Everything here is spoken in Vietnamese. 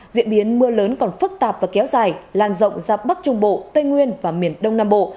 diễn biến mưa lớn còn phức tạp và kéo dài lan rộng ra bắc trung bộ tây nguyên và miền đông nam bộ